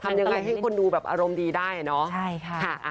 ทำยังไงให้คนดูแบบอารมณ์ดีได้เนาะ